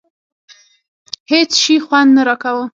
هېڅ شي خوند نه راکاوه.